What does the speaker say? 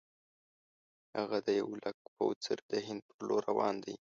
هغه د یو لک پوځ سره د هند پر لور روان دی.